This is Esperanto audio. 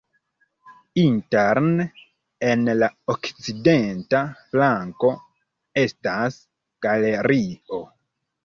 Interne en la okcidenta flanko estas galerio.